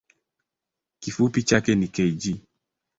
Kifupi chake ni kg.